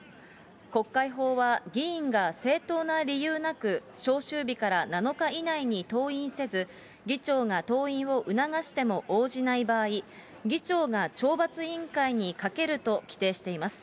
国会法は議員が正当な理由なく、召集日から７日以内に登院せず、議長が登院を促しても応じない場合、議長が懲罰委員会にかけると規定しています。